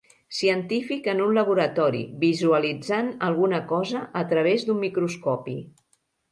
Científic en un laboratori, visualitzant alguna cosa a través d'un microscopi.